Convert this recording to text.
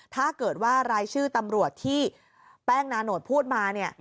ถ้าเกิดว่ารายชื่อตำรวจที่แป้งนาโนตพูดมาเนี่ย